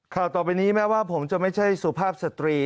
ข่าวต่อไปนี้แม้ว่าผมจะไม่ใช่สุภาพสตรี